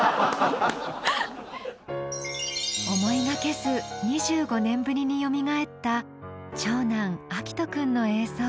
思いがけず２５年ぶりによみがえった長男章人くんの映像。